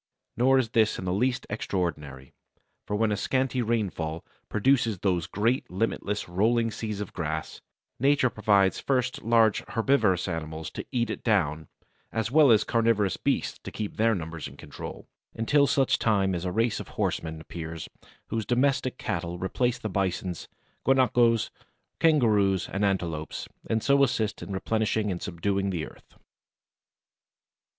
Nor is this in the least extraordinary, for when a scanty rainfall produces those great limitless rolling seas of grass, Nature provides first large herbivorous animals to eat it down as well as carnivorous beasts to keep their numbers in control, until such time as a race of horsemen appears, whose domestic cattle replace the bisons, guanacos, kangaroos, and antelopes, and so assist in replenishing and subduing the earth.